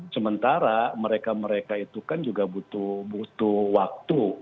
sementara mereka mereka itu kan juga butuh waktu